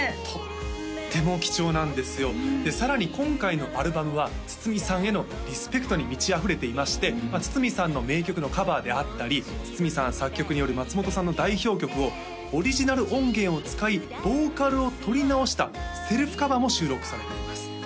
とっても貴重なんですよでさらに今回のアルバムは筒美さんへのリスペクトに満ちあふれていましてまあ筒美さんの名曲のカバーであったり筒美さん作曲による松本さんの代表曲をオリジナル音源を使いボーカルをとり直したセルフカバーも収録されています